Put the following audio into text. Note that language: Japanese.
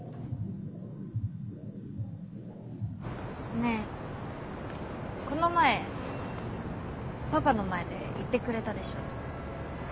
ねえこの前パパの前で言ってくれたでしょ。